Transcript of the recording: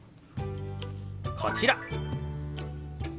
こちら。